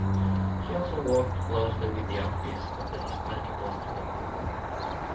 He also worked closely with the Office of the Hispanic Apostolate.